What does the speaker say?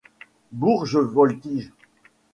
Bourges Voltige.